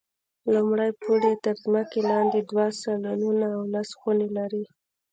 لومړی پوړ یې تر ځمکې لاندې دوه سالونونه او لس خونې لري.